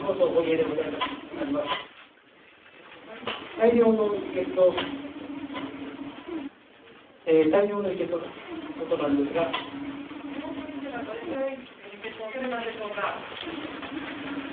大量の輸血をされていたということなんですが量としてはどれくらい輸血をされたんでしょうか。